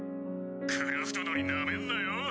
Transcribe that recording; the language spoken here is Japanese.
クラフト乗りなめんなよ。